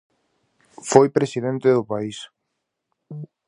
Foi presidente do país.